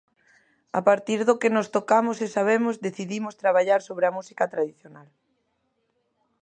A partir do que nós tocamos e sabemos, decidimos traballar sobre a música tradicional.